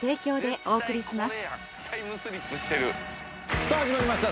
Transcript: さぁ始まりました